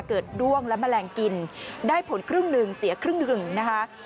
ด้วงและแมลงกินได้ผลครึ่งหนึ่งเสียครึ่งหนึ่งนะคะ